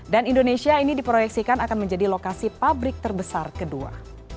indonesia ini diproyeksikan akan menjadi lokasi pabrik terbesar kedua